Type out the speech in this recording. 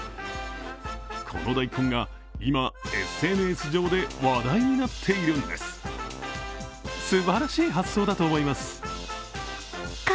この大根が今、ＳＮＳ上で話題になっているんです。